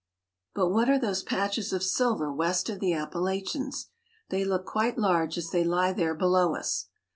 But what are those patches of silver west of the Appa lachians? They look quite large as they lie there below us.